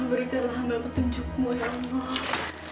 berikanlah hamba petunjukmu ya allah